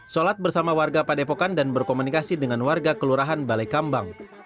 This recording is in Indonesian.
sholat bersama warga padepokan dan berkomunikasi dengan warga kelurahan balai kambang